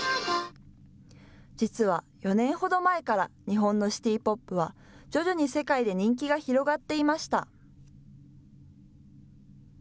実は４年ほど前から、日本のシティ・ポップは徐々に世界で人気が広がっていました。